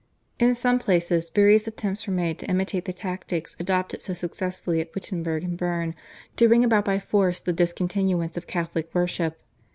In some places various attempts were made to imitate the tactics adopted so successfully at Wittenberg and Berne to bring about by force the discontinuance of Catholic worship.